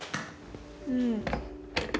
うん。